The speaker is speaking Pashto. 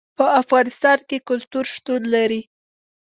په افغانستان کې کلتور شتون لري.